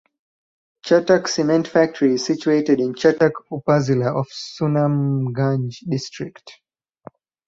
Chhatak Cement Factory is situated in Chhatak Upazila of Sunamganj district.